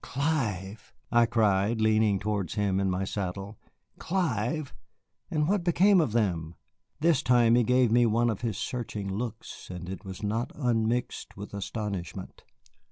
"Clive!" I cried, leaning towards him in my saddle. "Clive! And what became of them?" This time he gave me one of his searching looks, and it was not unmixed with astonishment.